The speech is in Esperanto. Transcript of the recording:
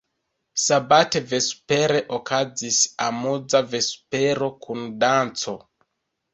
Sabate vespere okazis amuza vespero kun danco.